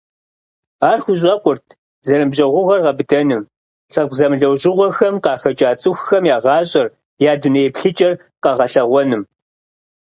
Ар хущӏэкъурт зэныбжьэгъугъэр гъэбыдэным, лъэпкъ зэмылӀэужьыгъуэхэм къахэкӀа цӀыхухэм я гъащӀэр, я дуней еплъыкӀэр къэгъэлъэгъуэным.